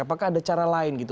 apakah ada cara lain gitu